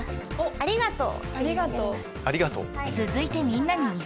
ありがとう！